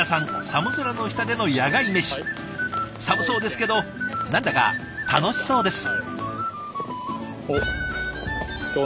寒そうですけど何だか楽しそうです。